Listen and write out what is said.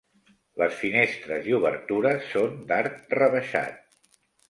Les finestres i obertures són d'arc rebaixat.